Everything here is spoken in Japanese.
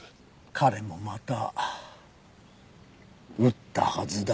彼もまた撃ったはずだ。